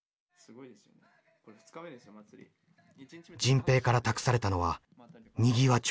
迅平から託されたのは「にぎわ長」。